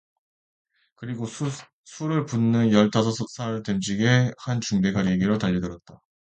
그리고 술을 붓는 열다섯 살 됨직한 중대가리에게로 달려들었다